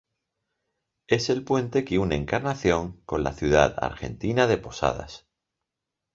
Es el puente que une Encarnación con la ciudad argentina de Posadas.